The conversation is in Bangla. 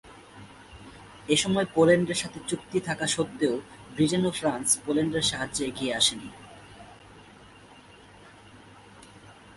এসময় পোল্যান্ডের সাথে চুক্তি থাকা সত্ত্বেও ব্রিটেন ও ফ্রান্স পোল্যান্ডের সাহায্যে এগিয়ে আসেনি।